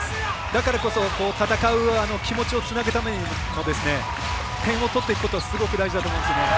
だからこそ戦う気持ちをつなぐためにも点を取っていくことがすごく大事だと思います。